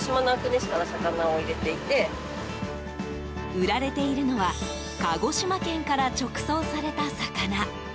売られているのは鹿児島県から直送された魚。